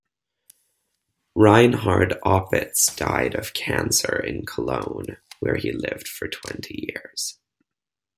Reinhard Opitz died of cancer in Cologne, where he had lived for twenty years.